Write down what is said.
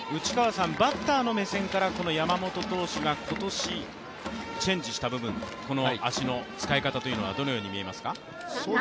バッターの目線から山本投手が今年チェンジした部分足の使い方というのはどのように見えますか？